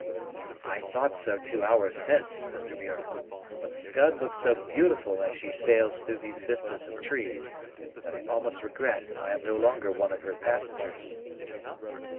"I thought so two hours since, Mr. Muir; but the Scud looks so beautiful as she sails through these vistas of trees, that I almost regret I am no longer one of her passengers."